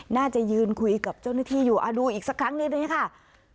น่าจะยืนคุยกับเจ้าหน้าที่อยู่ดูอีกสักครั้งนิดค่ะ